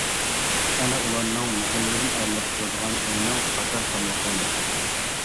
ئەنە ئۇلارنىڭ مەھەللىدىن ئايرىلىپ تۇرىدىغان ئۆيىنىڭ پاكار تاملىق ھويلىسى.